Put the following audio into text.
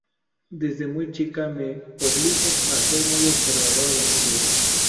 Desde muy chica me "obligó" a ser muy observadora de mi ciudad.